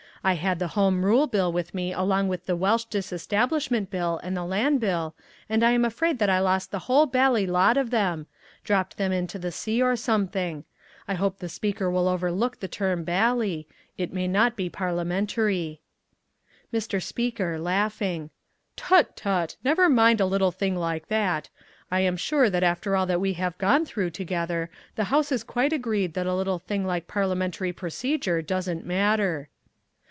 I had the Home Rule Bill with me along with the Welsh Disestablishment Bill and the Land Bill, and I am afraid that I lost the whole bally lot of them; dropped them into the sea or something. I hope the Speaker will overlook the term 'bally.' It may not be parliamentary." Mr. Speaker. "Tut, tut, never mind a little thing like that. I am sure that after all that we have gone through together, the House is quite agreed that a little thing like parliamentary procedure doesn't matter."